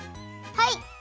はい！